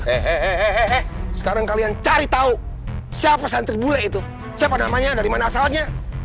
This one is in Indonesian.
hehehe sekarang kalian cari tahu siapa santri bule itu siapa namanya dari mana asalnya